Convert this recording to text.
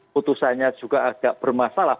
putusannya juga agak bermasalah